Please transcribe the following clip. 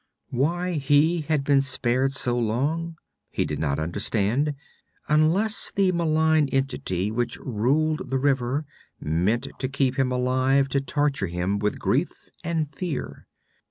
Why he had been spared so long, he did not understand, unless the malign entity which ruled the river meant to keep him alive to torture him with grief and fear.